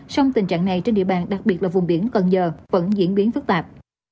song tình trạng này trên địa bàn đặc biệt là vùng biển cần giờ vẫn diễn biến phức tạp